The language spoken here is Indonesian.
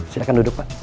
silahkan duduk pak